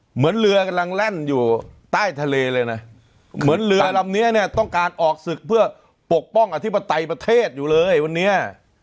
เหมือนเรือกำลังแล่นอยู่ใต้ทะเลเลยนะเหมือนเรือลำนี้เนี่ยต้องการออกศึกเพื่อปกป้องอธิปไตยประเทศอยู่เลยวันนี้